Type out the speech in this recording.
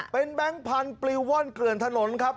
เป็นแบงค์พันธุ์ปลิวว่อนเกลือนถนนครับ